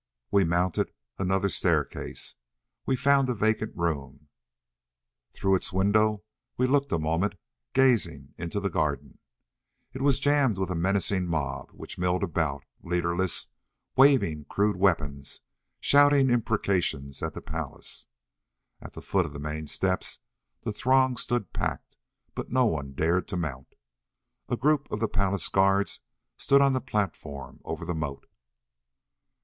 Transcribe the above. We mounted another staircase. We found a vacant room; through its windows we looked a moment, gazing into the garden. It was jammed with a menacing mob, which milled about, leaderless, waving crude weapons, shouting imprecations at the palace. At the foot of the main steps the throng stood packed, but none dared to mount. A group of the palace guards stood on the platform over the moat.